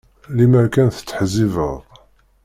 Lemmer kan tettḥezzibeḍ.